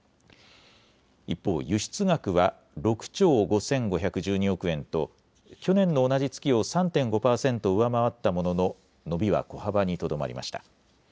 一方、輸出額は６兆５５１２億円と去年の同じ月を３．５％上回ったものの伸びは小幅にとどまりました。